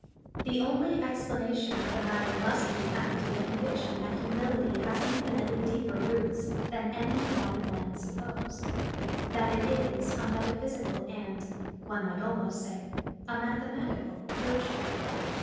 The only explanation of the matter must be found in the conviction that humility has infinitely deeper roots than any modern men suppose; that it is a metaphysical and, one might almost say, a mathematical virtue.